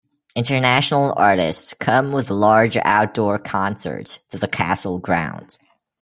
International artists come with large outdoor concerts to the castle grounds.